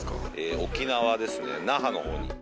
沖縄ですね、那覇のほうに。